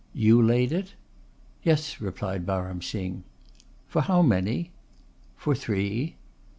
You laid it?" "Yes," replied Baram Singh. "For how many?" "For three."